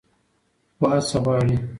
خو هڅه غواړي.